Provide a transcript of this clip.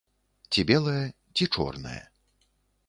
Ці белае, ці чорнае.